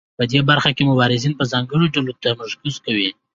په دې برخه کې مبارزین پر ځانګړو ډلو تمرکز کوي.